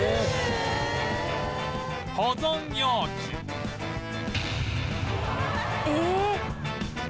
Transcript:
保存容器ええっ！？